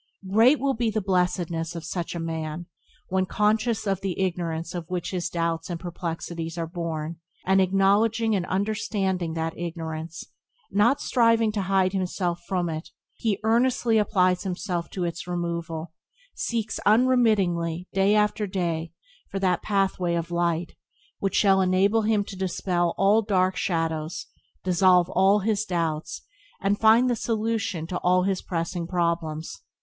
Great will be the blessedness of such a man when, conscious of the ignorance of which his doubts and perplexities are born, and acknowledging and understanding that ignorance, not striving to hide himself from it, he earnestly applies himself to its removal, seeks unremittingly, day after day, for that pathway of light which shall enable him to dispel all the dark shadows, dissolve his doubts, and find the solution to all his pressing problems.